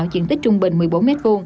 diện tích trung bình một mươi bốn m hai